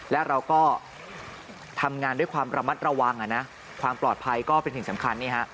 และเราก็ทำงานด้วยความระมัดระวังความปลอดภัยก็เป็นสิ่งสำคัญนี่ฮะ